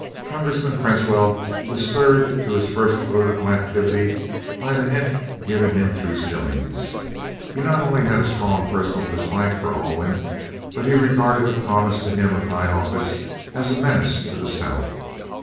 Congressman Cresswell was stirred to his first political activity by the hint given him through Stillings. He not only had a strong personal dislike for Alwyn, but he regarded the promise to him of a high office as a menace to the South.